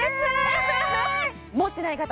えっ持ってない方